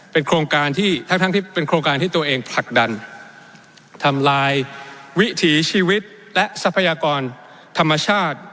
เป็นโครงการที่ตัวเองผลักดันทำลายวิถีชีวิตและทรัพยากรธรรมชาติ